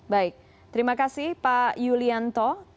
baik terima kasih pak yulianto